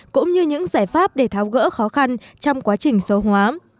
cũng như những giải pháp để tháo gỡ khó khăn trong quá trình số hóa